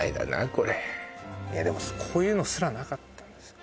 これいやでもこういうのすらなかったんですよ